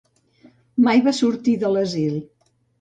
Mai va sortir de l'asil.